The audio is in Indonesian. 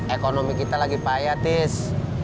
ekonomi kita lagi payah tis